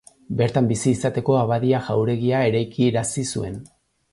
Bertan bizi izateko Abadia jauregia eraikiarazi zuen.